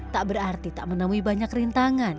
tak berarti tak menemui banyak rintangan